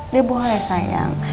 ya boleh sayang